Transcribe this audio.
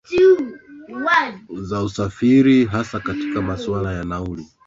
aa za usafiri hasa katika masuala ya nauli